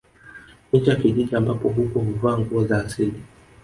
Nje ya kijiji ambapo huko huvaa nguo za asili